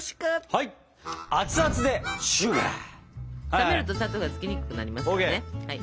冷めると砂糖がつきにくくなりますからね。